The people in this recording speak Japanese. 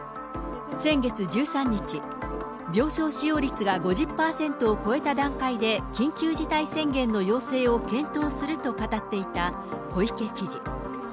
先月１３日、病床使用率が５０％を超えた段階で、緊急事態宣言の要請を検討すると語っていた小池知事。